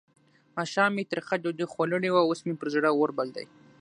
ماښام مې ترخه ډوډۍ خوړلې ده؛ اوس مې پر زړه اور بل دی.